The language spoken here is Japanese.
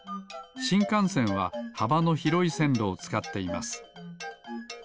しんかんせんははばのひろいせんろをつかっています。